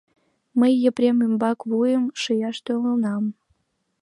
— Мый Епрем ӱмбак вуйым шияш толынам.